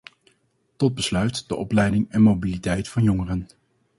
Tot besluit de opleiding en mobiliteit van jongeren.